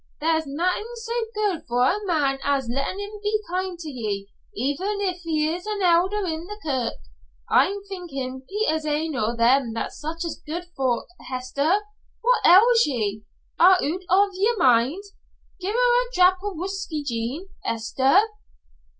There's naething so good for a man as lettin' him be kind to ye, even if he is an Elder in the kirk. I'm thinkin' Peter's ain o' them that such as that is good for Hester! What ails ye! Are oot of ye're mind? Gi'e her a drap of whuskey, Jean. Hester!"